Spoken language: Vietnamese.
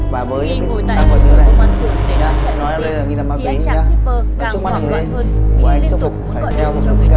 và với những cái tình hình này